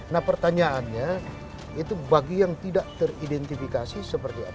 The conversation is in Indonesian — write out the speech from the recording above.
nah pertanyaannya itu bagi yang tidak teridentifikasi seperti apa